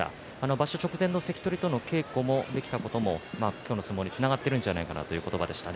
場所直前の関取との稽古ができたことも今日の相撲につながっているんじゃないかということでした。